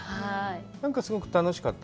すごく楽しかった。